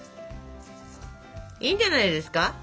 いいんじゃないですか？